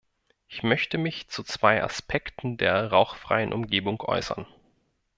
Ich möchte mich zu zwei Aspekten der rauchfreien Umgebung äußern.